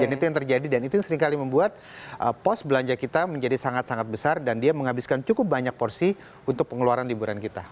dan itu yang terjadi dan itu yang seringkali membuat pos belanja kita menjadi sangat sangat besar dan dia menghabiskan cukup banyak porsi untuk pengeluaran liburan kita